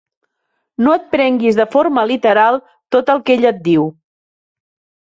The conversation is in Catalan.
No et prenguis de forma literal tot el que ella et diu.